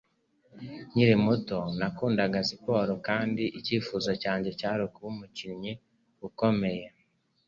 Nkiri muto, nakundaga siporo kandi icyifuzo cyanjye cyari ukuba umukinnyi ukomeye